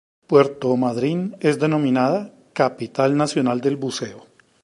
Puerto Madryn es denominada "Capital Nacional del Buceo".